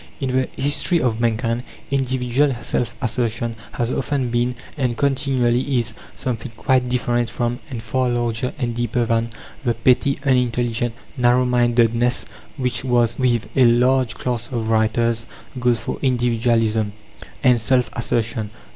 In the history of mankind, individual self assertion has often been, and continually is, something quite different from, and far larger and deeper than, the petty, unintelligent narrow mindedness, which, with a large class of writers, goes for "individualism" and "self assertion."